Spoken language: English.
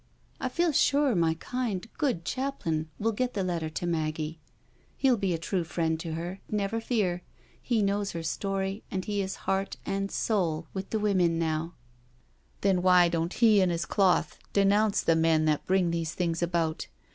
I feel sure my kind, good chaplain will get the letter to Maggie. He'll be a true friend to her, never fear— he knows her story and he is heart and soul with the women now "" Then why don't he and his cloth denounce the men that bring these things about?